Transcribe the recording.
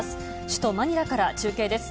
首都マニラから中継です。